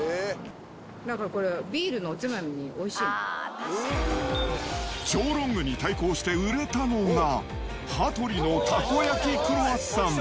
なんかこれ、ビールのおつまみに超ロングに対抗して売れたのが、羽鳥のたこ焼きクロワッサン。